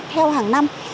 theo hàng năm